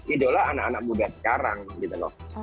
idola anak anak muda sekarang gitu loh